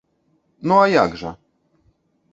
Ну, а як жа!